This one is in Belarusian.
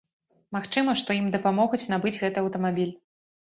Магчыма, што ім дапамогуць набыць гэты аўтамабіль.